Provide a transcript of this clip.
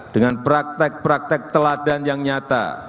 dengan praktek praktek teladan yang nyata